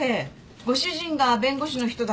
ご主人が弁護士の人だけど。